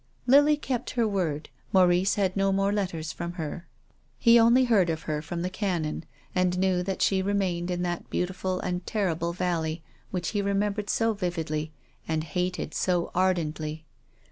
Lily kept her word. Maurice had no more letters from her. He only heard of her from the Canon, and knew that she remained in that beau tiful and terrible valley, which he remembered so vividly and hated so ardently.